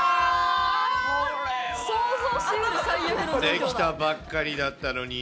出来たばっかりだったのに。